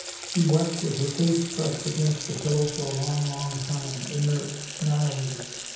She wept with her face pressed against the pillow for a long, long time, inert, annihilated.